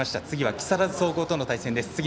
次は木更津総合との対戦です。